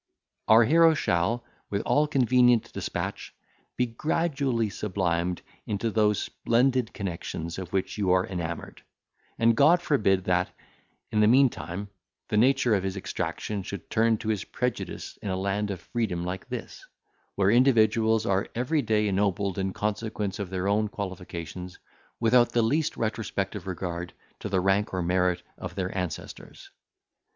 Our hero shall, with all convenient despatch, be gradually sublimed into those splendid connexions of which you are enamoured; and God forbid, that, in the meantime, the nature of his extraction should turn to his prejudice in a land of freedom like this, where individuals are every day ennobled in consequence of their own qualifications, without the least retrospective regard to the rank or merit of their ancestors.